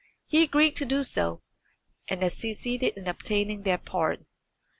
He agreed to do so, and succeeded in obtaining their pardon.